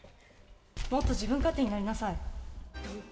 もっと自分勝手になりなさい。